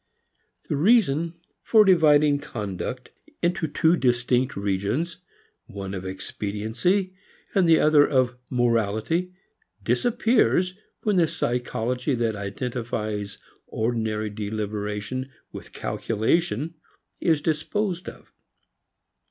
V The reason for dividing conduct into two distinct regions, one of expediency and the other of morality, disappears when the psychology that identifies ordinary deliberation with calculation is disposed of.